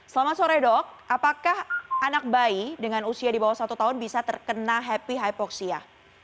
selamat sore dok apakah anak bayi dengan usia di bawah satu tahun bisa terkena happy hypoxia